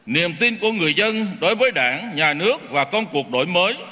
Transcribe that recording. niềm tin của người dân đối với đảng nhà nước và công cuộc đổi mới